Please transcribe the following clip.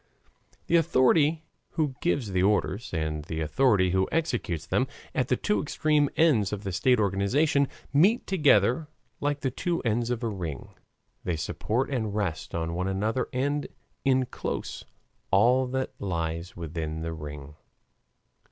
The authority who gives the orders and the authority who executes them at the two extreme ends of the state organization, meet together like the two ends of a ring; they support and rest on one another and inclose all that lies within the ring.